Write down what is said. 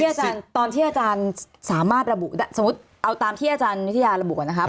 อาจารย์ตอนที่อาจารย์สามารถระบุได้สมมุติเอาตามที่อาจารย์วิทยาระบุก่อนนะครับ